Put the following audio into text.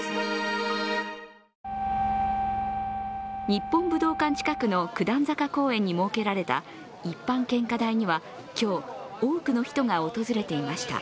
日本武道館近くの九段坂公園に設けられた一般献花台には今日、多くの人が訪れていました。